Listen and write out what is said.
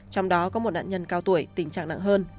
trong đó có một nạn nhân cao tuổi tình trạng nặng hơn